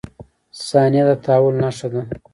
• ثانیه د تحول نښه ده.